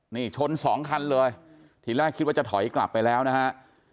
นี่ชนสองคันเลยทีแรกคิดว่าจะถอยกลับไปแล้วนะฮะ